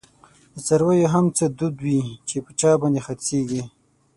دڅارویو هم څه دود وی، چی په چا باندی خرڅیږی